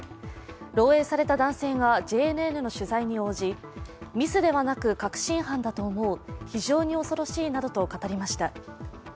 漏えいされた男性がＪＮＮの取材に応じ、ミスではなく確信犯だと思う、非常に恐ろしいなどと語りました。